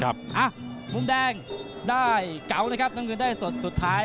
อ่ะมุมแดงได้เก๋าเลยครับน้ำเงินได้สดสุดท้าย